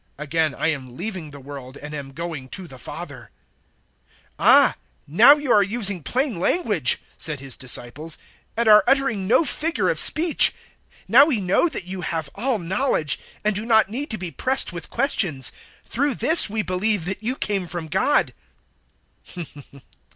Again I am leaving the world and am going to the Father." 016:029 "Ah, now you are using plain language," said His disciples, "and are uttering no figure of speech! 016:030 Now we know that you have all knowledge, and do not need to be pressed with questions. Through this we believe that you came from God."